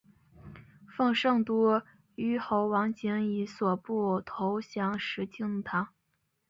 奉圣都虞候王景以所部投降石敬瑭。